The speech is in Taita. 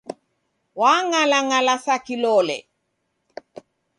Wang'alang'ala sa kilole.